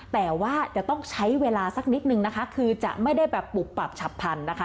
แต่ว่าจะต้องใช้เวลาสักนิดนึงนะคะคือจะไม่ได้แบบปุบปับฉับพันธนะคะ